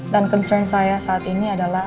dan concern saya saat ini adalah